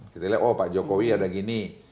kita lihat oh pak jokowi ada gini